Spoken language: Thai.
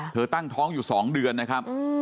ตั้งท้องอยู่๒เดือนนะครับ